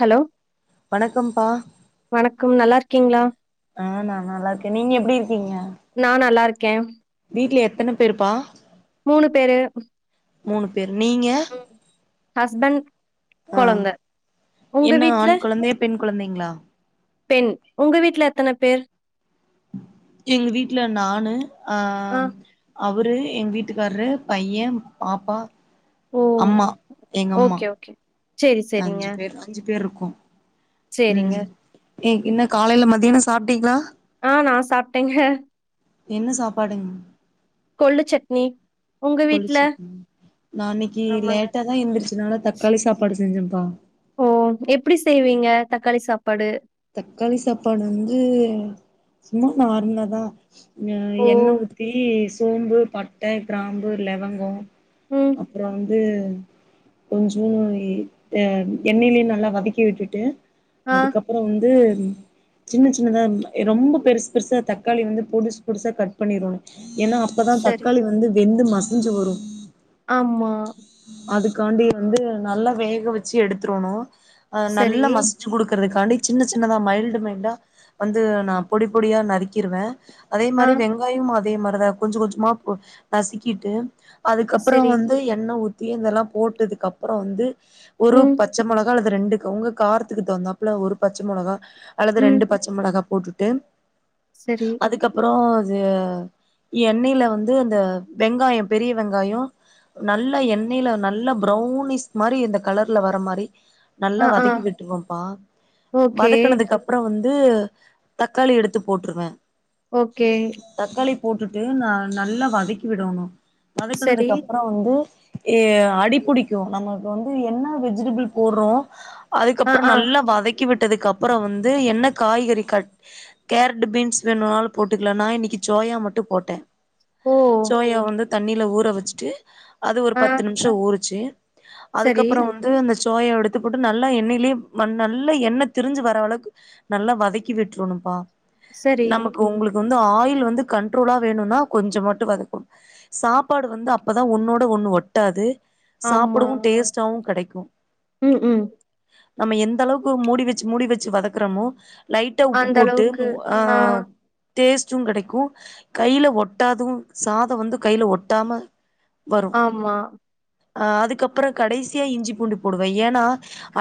Hello வணக்கம்ப்பா வணக்கம் நல்லாரு க்கீங்ளா ஆ நா நல்லா இருக்கே நீங்க எப்டி இருக்கீங்க? நா நல்லாருக்கே வீட்ல எத்தன பேருப்பா மூணு பேரு மூணு பேர் நீங்க ம் ஹஸ்பண்ட் அ கொழந்த உங்க என்ன வீட்ல ஆண் கொழந்தையா? பெண் கொழந்தைங்ளா? பெண் உங்க வீட்டுல எத்தனை பேர் எங்க வீட்ல நானு ஆஹ் ஆஹ் ஆ ஆம் அவரு எங்க வீட்டுக்காரரு பையன் பாப்பா ஓ அம்மா எங்க அம்மா ஓகே ஓகே சேரி அஞ்சு பேர்-அஞ்சு பேர் இரு இருக்கோம் செரிங்க ஏ என்ன காலையில மதியானம் சாப்பிட்டீங்களா ஆஹ் நான் சாப்பிட்டேங்க என்ன சாபாடுங்க கொள்ளு சட்னி உங்க வீட்ல ளிச்சிரு நா இன்னைக்கு ஆமாங்க லேட்டா தான் எந்திரிச்சிச்சதுனால தக்காளி சாப்பாடு செஞ்ச வா ஓ எப்படி செய்வீங்க தக்காளி சாப்பாடு தக்காளி சாப்பாடு வந்து சும்மா நார்மலாதான் அஹ ஓ எண்ண ஊத்தி சோம்பு பட்டை கிராம்பு லவங்கம் ம் அப்புறம் து கொஞ்சமா எண்ணெய்லயும் நல்லா வதக்கி விட்டுட்டு ஆஹ் அப்புறம் வந்து சின்ன சின்னதா ரொம்ப பெருசு பெருசா தக்காளி வந்து பொடிசு பொடிசா கட் பண்ணிறனும் ஏன்னா அப்பதான் சரி தக்காளி வந்து வெந்துமா கொஞ்சம் வரும் ஆமா உக்காண்டி வந்து நல்லா வேக வச்சு எடுத்துறணும் அஹ சரி நல்ல மசிச்சு கொடுக்குறது கண்ட [unintelligible] சின்ன சின்னதா மைல்டு மைல்டா வந்து நான் பொடி பொடியா நறுக்கிடுவேன் அதே ஆ மாதிரி வெங்காயம் அதே மாதிரி அதா கொஞ்ச கொஞ்சமா நசிகிட்டு அதுக்கப்புறம் சரி வந்து எண்ணெய் உ இதெல்லாம் போட்டதுக்கப்புறம் வந்து ஒரு ம் பச்சை மொளகா அல்லது ரெண்டுக்கு உங்க காரத்துக்கு தகுந்தாப்புல ஒரு பச்சை மிளகா அல்லது ம் ரெண்டு பச்ச மெளகா போட்டு ட்டு சரி அதுக்கப்புறோம் அது எண்ணெயில வந்து அந்த வெங்காயம் பெரிய வெங்காயம் நல்ல எண்ணெயில நல்ல ப்ரௌனிஷ் மாதிரி இந்த கலர்ல வர மாதிரி நல்லா ஆ ஆ வதக்கி விட்டுவோம்ப்பா ஓகே வதக்கனதுக்கு அப்புறம் வந்து ந்து தக்காளி எடுத்து போட்டுருவேன் ஓகே தக்காளி போட்டுட்டு ந நல்லா வதக்கி விடணும் சரி. வதக்கனதுக்கு அப்புறம் வந்து அஹ அடிபிடிக்கும் நமக்கு வந்து என்ன வெஜிடபிள் போடுறோம் ஆ, அதுக்கப்புறம் ஆ. நல்லா வதக்கி வதக்கி விட்டதுக்கு அப்புறம் வந்து என்ன காய்கறி கட் கேரட் பீன்ஸ் வேணாலும் போட்டுகலாம் நா இன்னைக்கு சோயா மட்டும் போட்டேன் ஓ! சோயா வந்து தண்ணியில ஊற வச்சுட்டு ஆஹ் அது ஒரு ஆ. பத்து நிமிஷ ஊரி சரி, அதுகபுற வந்து அந்த சோயாவ எடுத்து போட்டு நல்ல எண்ணெயிலே வ நல்ல எண்ண திரிஞ்சு வர அளக்கு நல்லா வதக்கி விட்ரனும் பா சரி. நமக்கு உங்களுக்கு வந்து ஆயில் வந்து கண்ரோலா வேணும்னா கொஞ்ச மட்டும் வதக்கனும் சாப்பாடு வந்து அப்பதா ஒன்னோட ஒண்ணு ஒட்டாது சாப்பிடவும் டேஸ்ட்டாவவும் கெடைக்கும் போ உம் உம் நம்ம எந்த அளவு மூடி வச்சு மூடி வச்சு வதக்கறமோ லைட்ட உப்பு அந்த போட்டு அளவுக்கு. ஆ, ஆஹ் டேஸ்ட்டும் கிடைக்கும் கைல ஒட்டாதும் சாதம் வந்து கையில ஒட்டாம ஆமா அஹ் அதுக்கப்புறம் கடைசியா இஞ்சி பூண்டு போடுவேன் ஏன்னா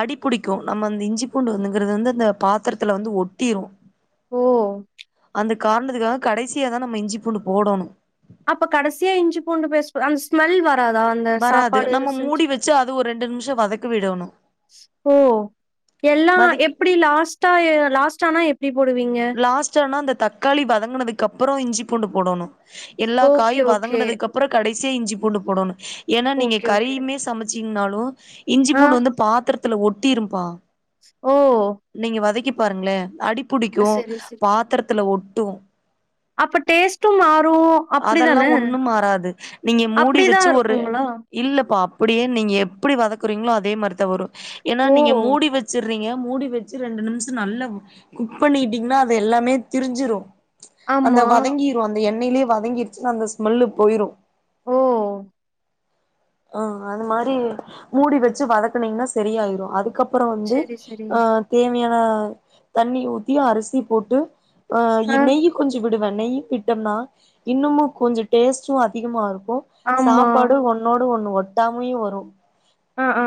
அடிபிடிக்கும் நம்ம அந்தி இஞ்சி பூண்டு வந்துங்கிறது வந்து அந்த பாத்திரத்துல வந்து ஒட்டிடும் ஓ அந்த காரணத்துக்காக கடைசிய தான் நம்ம இஞ்சி பூண்டு போடணும் அப்ப கடைசியா இஞ்சி பூண்டு பேஸ்ட் அந்த ஸ்மெல் வரும் அதா வராது சாப்பாடு நம்ம மூடி வச்சு அது ஒரு ரெண்டு நிமிஷோ வதக்க விடணு ஓ எல்லாம் வதக்கி எப்படி லாஸ்ட் அ நா எப்படி போடுவீங்க? லாஸ்ட் ஆனா அந்த தக்காளி வதங்குனதுக்கு அப்புறம் இஞ்சி பூண்டு போடோணு எல்லா ஓகே, காயு ஓகே. வதங்குனதுக்கப்றம் கடை சே இஞ்சி பூண்டு போடோணு ஏன்னா நீங்க ஓகே, ஓகே. கறியுமே சமச் சிங்னாளு இஞ்சி ஆ. பூண்டு வந்து பாத்திரத் த்துல ஒட்டிரும்ப்பா ஓ பாருங்களே அடிப் க்யூ சரி, சரி. பாத்தரத்தல ஒட் டு அப்ப டேஸ்ட்டு மாறும் அதெல்லா அப்டிதானே ஒண்ணு மாறாது நீங்க அப்டிதா இருக்குங்களா அப்டியே நீங்க எப்டி வதக்குறீங்களோ அதே மாரி ரும் வரும் ஏன்னா ஓ! நீங்க மூடி வச்சறீங்க மூடி வச்சு ரெண்டு நிம்ஷ நல்லா கு க் பண்ணிட்டீங்ன்னா அது எல்லாமே தெரிஞ்சிரு அந்த ஆமா. வதங்கிரு அந்த எண் ண்ணிலியே வதங்கிடுச்னா அந்த ஸ்மெல்லு போயிரு ஓ ஆ அது மாரி மூடி வச்சு வதக்கனீங்ன்னா சரியாயிடு அதுக்கப் அப்றோ வந்து செரி செரி ஹ தேமியா அ தண்ணி உ தியா அரிசி போட்டு ஆ இநெய் கொஞ்ச விடுவெ நெய் விட்டம்னா இன்னுமு கொஞ்ச டேஸ்டு அதிகமாருக் ம் ஆமா சாப்பாடு ஒன்னோடு ஒண்ணு ஒட் ட்டாமையு வரு ஆ ஆ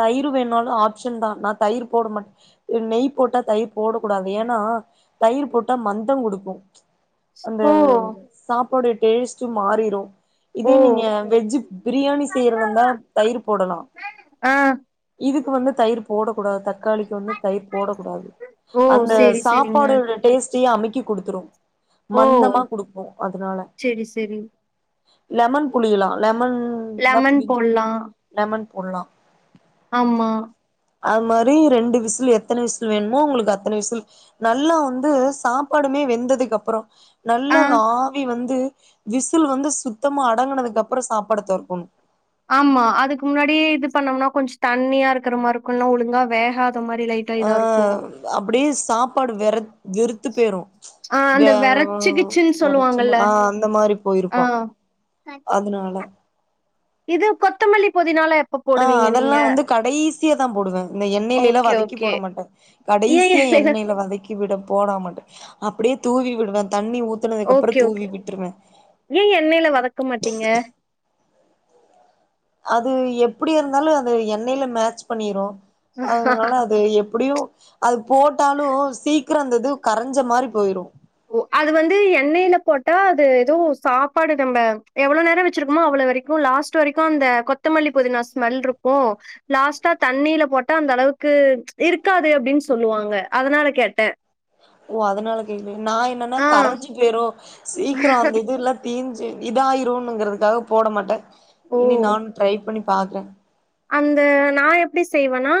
தயிர் வேணாலு ஆப்ஷன் தா நா தயிர் போட மாட் நெய் போட்டா தயிர் போட கூடாது ஏன்னா தயிர் போட்டா மந்த குடுக்கு அந்த ஓ சாப் கோடு டேஸ்ட்டு மாறிரு ஓ இதே நீங்க வெஜ்ஜ் பிரியாணி செய்றலந்தா தயிர் போடலா ஆ இதுக்கு வந்து தயிர் போடக்கூடாது த தக்காளிக் வந்து தயிர் போடக்கூடாது ஓ அந்த செரி செரிங்க சாப்பாடோட டேஸ்டே அமிக் கி கொடுத்ரு ஓ மந்தமா குடுப்போ அதனால செரி செரி லெமன் புளியலா லெம மன் இருந்தா லெமன் புழிஞ்சிக்கலா லெமன் போட்லா ஆம்மா அது மாரி ரெண்டு விசில் எத்தன விசில் வேணுமோ உங்களுக்கு அத்தன விசில் நல்லா வந்து சாப்பாடுமே வெந்ததுக்கு அப்றொ ஆ நல்ல ஆவி வந்து விசில் வந்து சுத்தமா அடங்குனதுக்கு அப்புறொ சாப்பாடு தொறக்கணு ஆமா அதுக்கு முன்னாடியே இது பண்ணோம்னா கொஞ்சொ தண்ணியா இருக்கற மாரி இருக்கும் இல்லன்னா ஒலுங்கா வேகாது ஆ அப்டே சாப்பாடு வெறச் வெறுத்து போய்ரு ஆ அந்த வேற வெரச்சுகிச்சுன்னு வெறச்சமா சொல்லுவாங்கல்ல ஆ அந்த மாரி ஆ போயிருக்கு அதனால இது கொத்தமல்லி பொதினாலா எப் ஆ அதெல்லா வந்து கடைசியா தா போடுவே இந்த எண்ணெயில எல்லா ஓகே வதக்கி ஓகே போட மாட்டே ஏ கடைசியா எண்ணெயில வதக்கி விடும் போட மாட்டே அப்டியே தூவி விடுவன் ஓகே ஓகே ஏ எண்ணெய்ல வதக்க மாட்டீங்க அது எப்படி இருந்தாலு அது எண்ணெய்ல மேட்ச் பண்ணிரு அதனால அது எப் அப்படியு அது போட்டாலு சீக்ரொ அந்த இது கரஞ்ச மாரி போயிரு ஓ அது வந்து எண்ணெய்ல போட்டா அது ஏதோ சாப்பாடு நம்ம எவ்ளோ நேரோ வச்சிருக்கோமோ அவ்வளோ வரைக்கு லாஸ்ட் வரைக்கு அந்த கொத்தமல்லி பொதினா ஸ்மெல்ருக்கு லாஸ்டா தண்ணில போட்டா அந்த அளவுக்கு இருக்காது அப்டின்னு சொல்லுவாங்க அதனால கேட்டே ஓ அதுனாலத் நா என்னன்னா ஆ. கரஞ்சு போய்ரு சீக்ரொ அந்த இதுலா தீஞ்சு இதயிருனுங்கறதுக்காக போட மாட்டே ஓ! இனி நானு ட்ரை பண்ணிப் பாக்றே அந்த நா எப்டி செய்வன்னா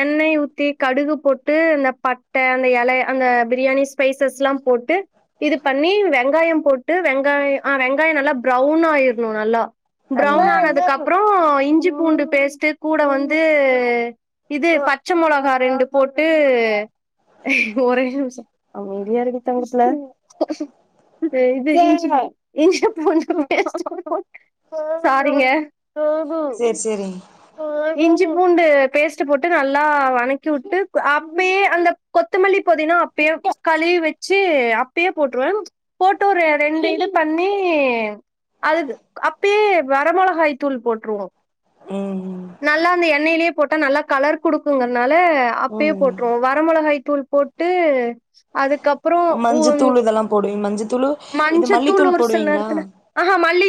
எண்ணெய் ஊத்தி கடுகு போட்டு இந்த பட்ட அந்த எலை அந்த பிரியாணி ஸ்பைசஸ்ல்லா போட்டு இது பண்ணி வெங்காயொ போட்டு வெங்காயொ ஆ வெங்காயொ நல்லா ப்ரௌன் ஆயிர்ணு நல்லா ம் ப்ரௌவுன் ஆனதுக்கு அப்றொ இன் பூண்டு பேஸ்ட்டு கூட வந்து இது பச்ச மொளகா ரெண்டு போட்டு ஒரே நிமிஷோ அமைதியா இருடி தங்க புள்ள இது இஞ்சி இஞ்சி பூண்டு பேஸ்ட் போட் சாரிங்க ம் ஹ்ம் சேரிங்க இஞ்சி பூண்டு பேஸ்ட்டு போட்டு நல்லா வனக்கி உட்டு அப்பயே அந்த கொத்தமல்லி பொதினா அப்பயே களுவி வச்சு அப்பயே போட்டுருவே போட்டு ஒரு ரெண்டு இது பண்ணி அது அப்பயே வரமொளகாய் தூள் போட்ருவோ ம் நல்லா அந்த எண்ணெய்லே போட்டா நல்லா கலர் குடுக்குங்கறனால ம் அப்பயே ம் போட்ருவோம் வரமொளகாய் தூள் போட்டு அதுக்கப் மஞ்சத்தூள் இதெல்லா போடுவீங்க மஞ்சத்தூளு இது மஞ்சத்தூள் மல்லித்தூள் போடுவீங்களா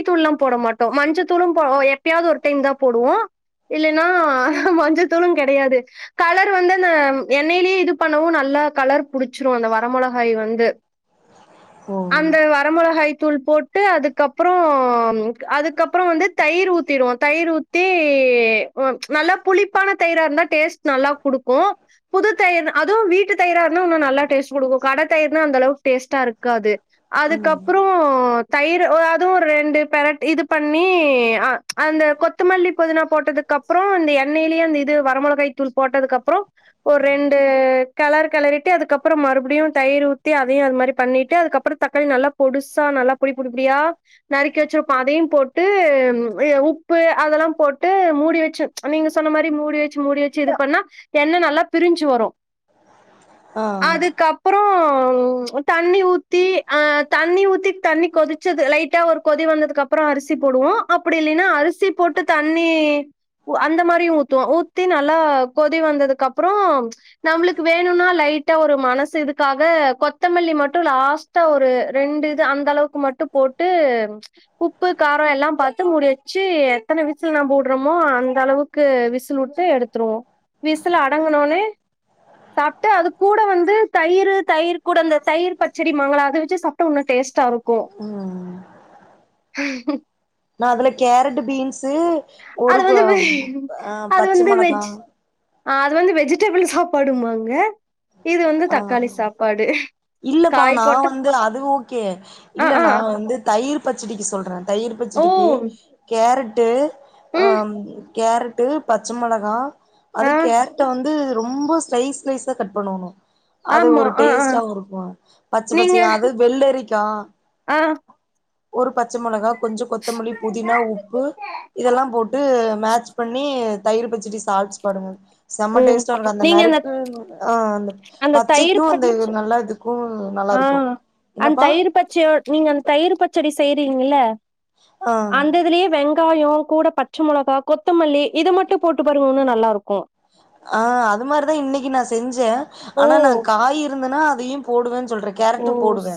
தூள்ளா போட மாட்டோ மஞ்சத்தூளு போ எப்பயாவது ஒரு டைம் தா போடுவோ இல்லன்னா மஞ்சத்தூளு கெடையாது கலர் வந்து அந்த எண்ணெய்லே இது பண்ணவு நல்லா கலர் புடிச்சிரு அந்த வரமொளகாய் வந்து ஓ அந்த வரமொளகாய் தூள் போட்டு அதுக்கப்றோ அதுக்கப்றொ வந்து தயிர் ஊத்திடுவொ தயிர் ஊத்தி நல்லா புளிப்பான தயிராருந்தா டேஸ்ட் நல்லா குடுக்கு புது தயிர் அதுவு வீட்டு தயிராருந்தா இன்னு நல்லா டேஸ்ட் குடுக்கு கட தயிர்னா அந்த அளவு டேஸ்ட்டா இருக்காது ம் அதுக்கப்றோ தயிர் அதுவு ரெண்டு பெரட் இது பண்ணி அ அந்த கொத்துமல்லி புதினா போட்டதுக்கப்றொ இந்த எண்ணெய்லயு அந்த இது வரமொளகாய் தூள் போட்டதுக்கப்றொ ஒர் ரெண்டு கெளறு கெளறிட்டு அதுக்கப்றம் மறுபடியு தயிர் ஊத்தி அதையு அது மாரி பண்ணிட்டு அதுக்கப்ற தக்காளி நல்லா பொடுசா நல்லா பொடி பொடி பொடியா நறுக்கி வச்சுருப்போ அதையும் போட்டு வெ உப்பு அதல்லா போட்டு மூடி வச்சு நீங்க சொன்ன மாரி மூடி வச்சு மூடி வச்சு இது பண்ணா எண்ண நல்லா பிரிஞ்சு வரு ஆ அதுக்கப்பறோ அம் தண்ணி ஊத்தி ஆ தண்ணி ஊத்தி தண்ணி கொதிச்சது லைட்டா ஒரு கொதி வந்ததுக்கப்பறொ அரிசி போடுவோ அப் பிடி இல்லைனா அரிசி போட்டு தண்ணி அந்த மாரியு ஊத்துவோ ஊத்தி நல்லா கொதி வந்ததுக்கப்றோ நம்ளுக்கு வேணுன்னா லைட்டா ஒரு மனசு இதுக்காக கொத்தமல்லி மட்டு லாஸ்ட்டா ஒரு ரெண்டு இது அந்த அளவுக்கு மட்டு போட்டு உப்பு காரொ எல்லா பாத் து முடி வச்சு எத்தன விசில் நாம் போட்றோமோ அந்த அளவுக்கு விசில் உட்டு எடுத்துருவோ விசில் அடங்குனோன்னே சாப்ட்டு அது கூட வந்து தயிரு தயிர் கூட அந்த தயிர் பச்சடிம்மாங்கள அத வச்சு சாப்ட்டா உன்னு டேஸ்டா இருக்கு ம் நா அதுல கேரட்டு பீன்ஸு ஒரு அது க வந்து அ அது பச்ச வந்து மொளகா வெஜ் ஆ அது வந்து வெஜிடபிள் சாப்பாடும்மாங்க ஆ இல்லப்பா காய் நா போட்ட வந்து அது ஓகே ஆ இல்ல ஆ நா வந்து தயிர் பச்சடிக்கு சொல்ற தயிர் ஓ பச்சடிக்கி‌ கேரட் டு ம் அம் கேரட்டு பச்ச மொளகா அது ஆ கேரட்ட வந்து ரொம்ப ஸ்லைஸ் ஸ்லைஸா கட் பண்ணணு அது ஆமா ஒரு ஆ ஆ டேஸ்டாவு இருக்கு பச்ச நீங்க பச்சயா அது வெள்ளரிக் கா ஆ ஒரு ப ச்ச மொளகா கொஞ்ச கொத்தமல்லி புதினா உப்பு இதெல்லாம் போட்டு மேட்ச் பண்ணி தயிரு ப ச்சடி சால்ட்ஸ் பாடுங்க ஓ செம்ம டேஸ்டாருக்கு அந்த நறுக்குனு ஆ அந்த தயிர் ச்சைக்கு ப அந்த நல்லா இதுக்கு நல்லா ஆ இருக்கு என்னப்பா அந்தயிர் பச்சயோ நீங்க அந்த தயிர் பச்சடி செய்ரீங்கல்ல ஆ அந்ததுலே வெங் காயொ கூட பச்ச மொளகா கொத்தமல்லி இத மட்டு போட்டு பாருங்க உன்னு நல்லா இருக்கு ஆ அது மார்தா இன்னக்கி நா செஞ்சே ஓ ஆனா நா காய் இருந்தனா அதையு போடுவெ சொல்றெ கேரட்டு போடுவே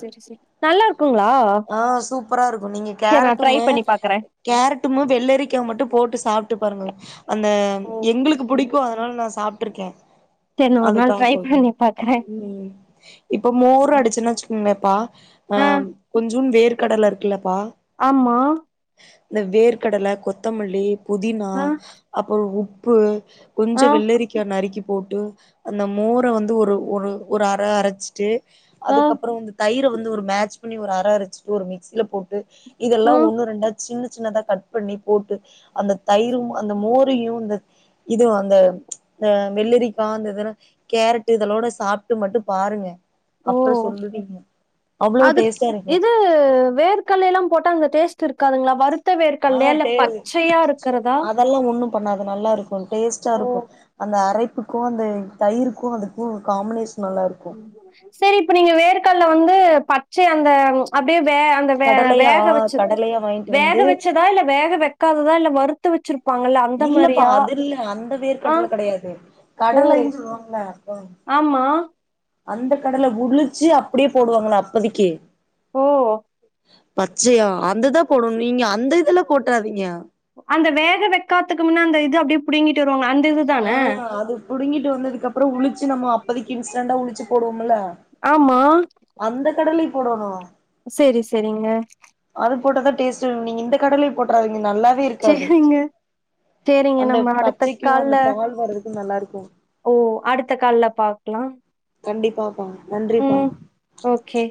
நல்லாரு ஆ சூப்பரா இருக்கு நீங்க செரி நா ட்ரை கேரட்டுமே பண்ணி பாக்குறே கேரட்டும வெள்ளரிக்கா மட்டு போட்டு சாப் ட்டு பாருங்க அந்த எங்ளுக்கு ஓகே புடிக்கு அதனால நா சாப் ட்ருக்கே செரி நா ஒரு நாள் அதுக்காக ட்ரை சொல்ற பண்ணி பாக்குறே ம் இப்ப மோரு அடுச்சன் வச்சுக்கங்ளேப்பா ஆ சுன் வேர்க கடல இருக்குல்லப்பா ஆமா இந்த வேர்க்கடல கொத்தமல்லி புதினா ஆ அப்பற உப் பு ஆ கொஞ்ச வெள்ளரிக்கா நறுக்கி போட்டு அந்த மோர வந்து ஒரு ஒரு ஒரு அர அரச்சுட்டு ஆ அதுக்கப்றொ வந்து தயிர வந்து ஒரு மேட்ச் ப ண்ணி ஒரு அர அரச்சிட்டு ஒரு மிக்சில போட் டு இதெல்லா ம் ஒன்னு ரெண்டா சின்ன சின்னதா கட் பண்ணி போட்டு அந்த தயிரும் அந்த மோ ரயு இந்த இதுவு அந்த த வெள்ளரிக்கா அந்ததுல கேரட்டு இதல்லோட சாப்ட்டு மட்டு பாருங்க ஓ அப்றொ‌ சொல்லுவீங்க அவ்ளோ அதுக் டேஸ் இது வேர்கல்ல எல்லாம் போட்டா அந்த டேஸ்ட் இருக்காதுங்ளா வறு ஆ த்தவேர்ககல்லயா இல்ல டே பச்சயா இருக்குறதா அதெல்லா ஒண்ணு பண்ணாது நல்லாருக்கு டேஸ்ட்டா இருக்கு அந்த அரை ப்புக்கு அந்த தயிருக்கு அதுக்கு காம்பினேஷ் செரி இப்ப நீங்க வேர்கல்ல வந்து பச்சை அந்த அப்டியே வே அந்த வே கடலையா வேக வச்சது கடலையா வாங்கிட்டு வேக வந்து வச்சதா இல்ல வேக வக்காததா இல்ல வ றுத்து வச்சுருப் இல்லப்பா அது இல்ல அந்த ஆ வேர்க்கட்ல கெடையாது ஓ கடலைன் சொல்வோம்ல ஆமா அந்த கடல உழுச்சு அப்டியே போடுவாங்கல அப்பதக்கி ஓ பச்சையா அந்த தா போடனு நீங்க அந்த இதுல போட்றாதீங்க அந்த வேக வெக்காத்துக்கு முன்ன அந்த இது அப்டி புடிங்கிட்டு ஆ அது புடுங்கிட்டு வந்ததுக்கப்றொ உழிச்சு நம்ம இப்போதைக்கு இன்ஸ்டண்டா உளிச்சி போடுவோம்ல ஆமா அந்த கடலை போடணு செரி செரிங்க டேஸ்டு நீங்க இந்த கடலைய போட்றாதீங்க நல்லாவே இருக்காது சேரிங்க சேரிங்க நம்ம அடுத்த கால்ல போறக்கு நல்லாருக்கு ஓ அடுத்த கால்ல பாக்லா கண்டிப்பாப்பா நன்றிப்பா ம் ஓகே